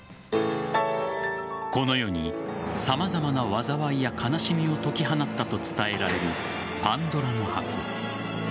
この世に様々な災いや悲しみを解き放ったと伝えられるパンドラの箱。